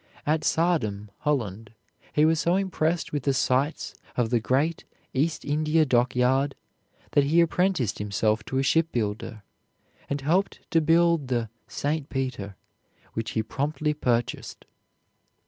At Saardam, Holland, he was so impressed with the sights of the great East India dockyard that he apprenticed himself to a shipbuilder, and helped to build the St. Peter, which he promptly purchased.